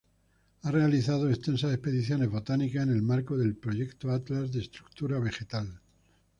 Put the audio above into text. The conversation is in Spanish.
Ha realizado extensas expediciones botánicas en el marco del "Proyecto Atlas de Estructura Vegetal".